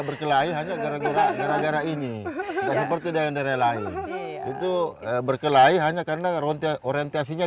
berkelahi hanya gara gara ini seperti dengan daerah lain itu berkelahi hanya karena ronte orientasinya